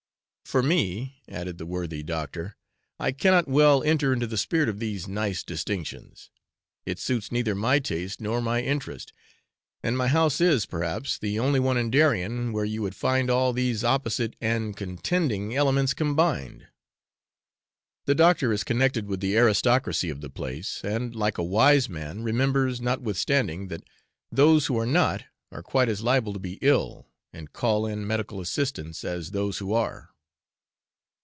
'For me,' added the worthy doctor, 'I cannot well enter into the spirit of these nice distinctions; it suits neither my taste nor my interest, and my house is, perhaps, the only one in Darien, where you would find all these opposite and contending elements combined.' The doctor is connected with the aristocracy of the place, and, like a wise man, remembers, notwithstanding, that those who are not, are quite as liable to be ill, and call in medical assistance, as those who are.